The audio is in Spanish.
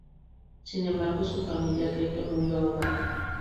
Sin embargo su familia cree que murió ahogado.